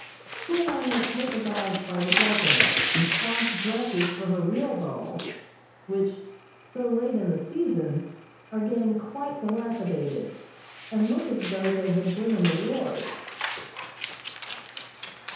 She and I make paper dolls by the dozen, and cloth dresses for her real dolls, which, so late in the season, are getting quite dilapidated and look as though they had been in the wars.